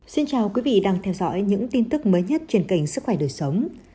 xin chào quý vị đang theo dõi những tin tức mới nhất trên kênh sức khỏe đời sống